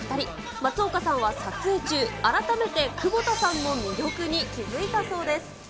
松岡さんは撮影中、改めて窪田さんの魅力に気付いたそうです。